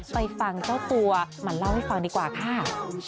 ไปฟังเจ้าตัวมาเล่าให้ฟังดีกว่าค่ะ